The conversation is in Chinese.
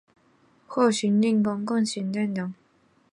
俄罗斯熊经常被用作代表俄罗斯。